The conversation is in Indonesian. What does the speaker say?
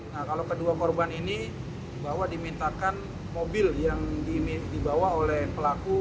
nah kalau kedua korban ini bahwa dimintakan mobil yang dibawa oleh pelaku